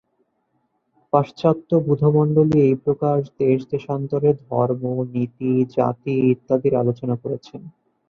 পাশ্চাত্য বুধমণ্ডলী এই প্রকার দেশ-দেশান্তরের ধর্ম, নীতি, জাতি ইত্যাদির আলোচনা করছেন।